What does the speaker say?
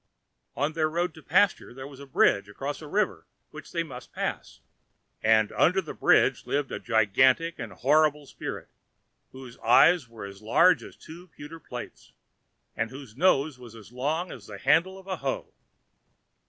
On their road to the pasture there was a bridge across a river which they must pass, and under the bridge lived a gigantic and horrible spirit, whose eyes were as large as two pewter plates, and whose nose was as long as the handle of a hoe.